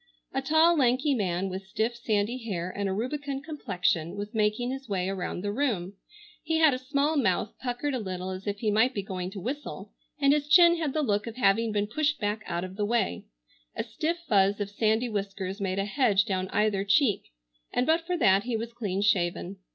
A tall lanky man with stiff sandy hair and a rubicund complexion was making his way around the room. He had a small mouth puckered a little as if he might be going to whistle, and his chin had the look of having been pushed back out of the way, a stiff fuzz of sandy whiskers made a hedge down either cheek, and but for that he was clean shaven.